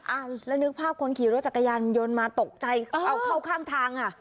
อ้าวแล้วนึกภาพคนขี่รถจักรยานยนต์มาตกใจเอาเข้าข้างทางอ่ะ